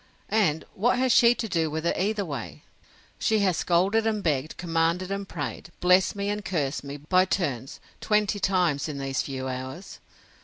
And what has she to do with it either way? She has scolded and begged, commanded and prayed, blessed me, and cursed me, by turns, twenty times in these few hours.